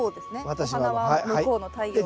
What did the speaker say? お花は向こうの太陽向いて。